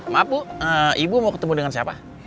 maaf bu ibu mau ketemu dengan siapa